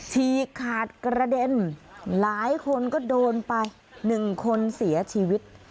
ฉีกขาดกระเด็นหลายคนก็โดนไป๑คนเสียชีวิต